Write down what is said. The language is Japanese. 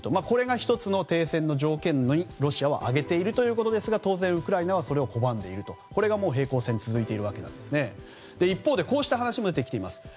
これが１つの停戦の条件にロシアは挙げているということですが当然、ウクライナはそれを拒んでいてこれが平行線で続いていますがこういう話も出てきています。